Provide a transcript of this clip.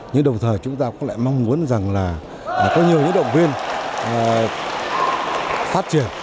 nhưng đồng thời chúng ta cũng lại mong muốn rằng là có nhiều những động viên phát triển